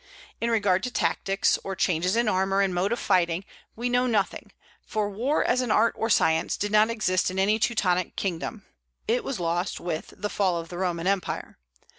In regard to tactics, or changes in armor and mode of fighting, we know nothing; for war as an art or science did not exist in any Teutonic kingdom; it was lost with, the fall of the Roman Empire.